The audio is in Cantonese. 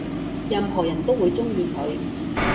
任何人都會鍾意佢